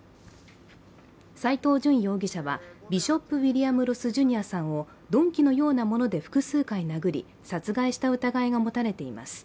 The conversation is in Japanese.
斉藤淳容疑者はビショップ・ウィリアム・ロス・ジュニアさんを鈍器のようなもので複数回殴り殺害した疑いが持たれています。